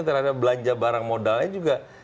terhadap belanja barang modalnya juga